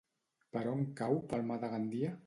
Per on cau Palma de Gandia?